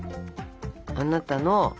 あなたの。